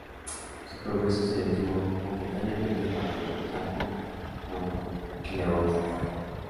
Su progreso se detuvo momentáneamente cuando contrajo mononucleosis.